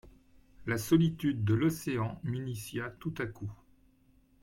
La solitude de l'Océan m'initia tout à coup.